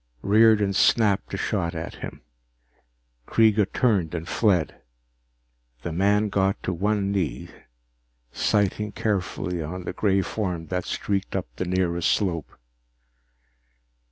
Riordan snapped a shot at him. Kreega turned and fled. The man got to one knee, sighting carefully on the gray form that streaked up the nearest slope.